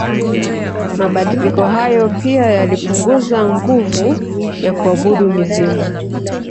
Mabadiliko hayo pia yalipunguza nguvu ya kuabudu mizimu